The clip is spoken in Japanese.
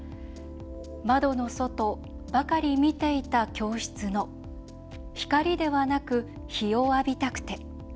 「窓の外ばかり見ていた教室のひかりではなく日を浴びたくて」。